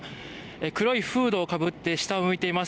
黒いフードをかぶって下を向いています。